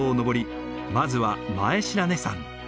まずは前白根山。